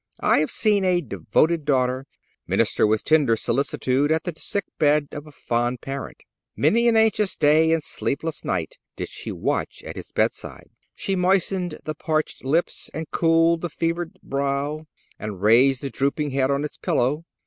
I have seen a devoted daughter minister with tender solicitude at the sick bed of a fond parent. Many an anxious day and sleepless night did she watch at his bedside. She moistened the parched lips, and cooled the fevered brow, and raised the drooping head on its pillow.